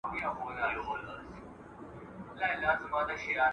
موږ وزن ګورو.